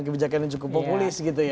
kebijakan yang cukup populis gitu ya